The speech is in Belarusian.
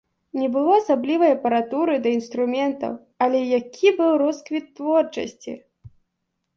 Не было асаблівай апаратуры ды інструментаў, але які быў росквіт творчасці!